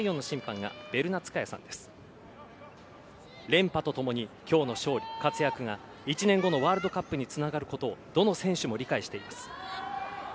連覇と共に今日の勝利、活躍が１年後のワールドカップにつながることをどの選手も理解しています。